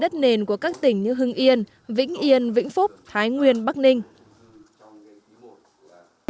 đất nền của các tỉnh như hưng yên vĩnh yên vĩnh phúc thái nguyên bắc ninh